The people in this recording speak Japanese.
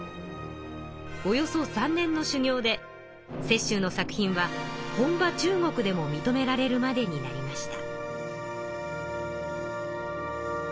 およそ３年の修行で雪舟の作品は本場中国でも認められるまでになりました。